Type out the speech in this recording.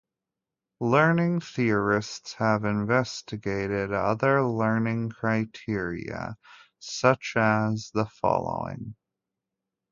Learning theorists have investigated other learning criteria, such as the following.